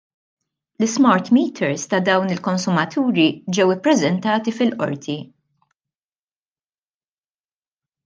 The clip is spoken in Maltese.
L-ismart meters ta' dawn il-konsumaturi ġew ippreżentati fil-Qorti.